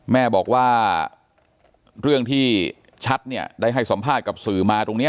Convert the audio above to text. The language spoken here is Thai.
แม่บอกว่าเรื่องที่ชัดเนี่ยได้ให้สัมภาษณ์กับสื่อมาตรงนี้